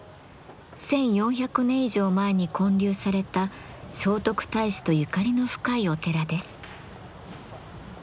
１，４００年以上前に建立された聖徳太子とゆかりの深いお寺です。